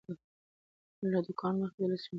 له دوکانه مخکې د لیست چمتو کول مهم دی.